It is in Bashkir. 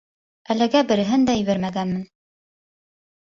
Әлегә береһен дә ебәрмәгәнмен.